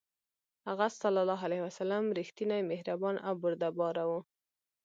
هغه ﷺ رښتینی، مهربان او بردباره و.